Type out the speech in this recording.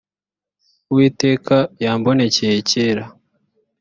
uwiteka yambonekeye kera